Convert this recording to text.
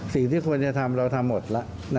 สิ่งที่ควรจะทำเราทำหมดแล้ว